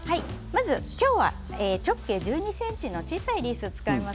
今日は直径１２ｃｍの小さいリースを使います。